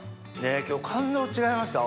今日感動違いました？